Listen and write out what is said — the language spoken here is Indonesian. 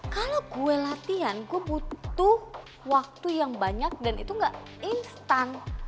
kalau gue latihan gue butuh waktu yang banyak dan itu gak instan